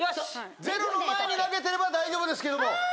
ゼロの前に投げてれば大丈夫ですけども。